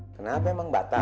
kenapa emang batal